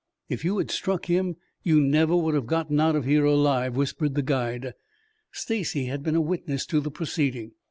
"If you had struck him you never would have gotten out of here alive," whispered the guide. Stacy had been a witness to the proceeding.